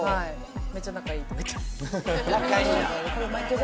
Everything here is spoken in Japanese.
はい。